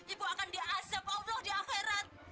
ibu akan diasep allah di akhirat